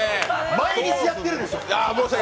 毎日やってるでしょう。